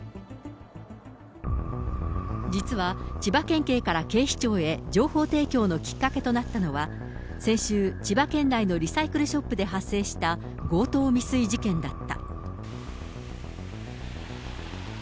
実は千葉県警から警視庁へ情報提供のきっかけとなったのは、先週、千葉県内のリサイクルショップで発生した、強盗未遂事件だった。